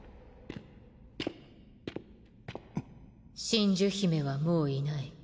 真珠姫はもういない。